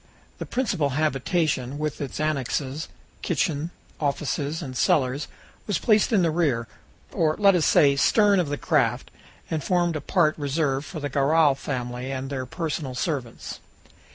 The principal habitation, with its annexes kitchen, offices, and cellars was placed in the rear or, let us say, stern of the craft and formed a part reserved for the Garral family and their personal servants.